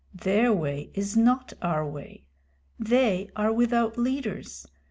Their way is not our way. They are without leaders.